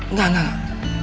enggak enggak enggak